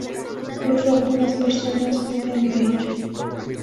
Incluso algunas personas viven de ello.